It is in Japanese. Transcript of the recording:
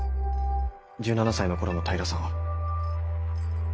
１７才の頃の平さんは。